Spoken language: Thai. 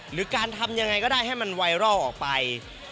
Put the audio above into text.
หรือการทำยังไงก็ได้ให้มันไวรัลออกไป